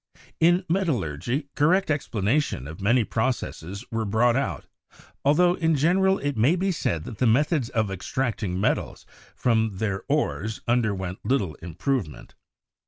In metallurgy, correct explanations of many processes were brought out, afltho in general it may be said that the methods of extracting metals from their ores underwent little improvement.